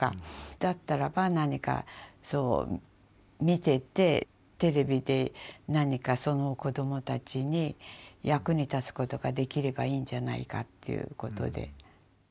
だったらば何か見ててテレビで何かそのこどもたちに役に立つことができればいいんじゃないかっていうことで。